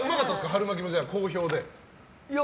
春巻きも好評で？